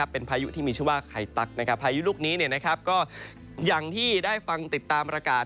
เป็นพายุที่มีชื่อว่าไข่ตักลายก็ในกล้ามภายนี้นะครับก็อย่างที่ได้ฟังติดตามรากาศ